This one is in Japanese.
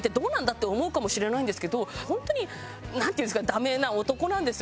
って思うかもしれないんですけど本当になんていうんですかダメな男なんですよね。